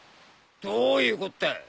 どういうこったい？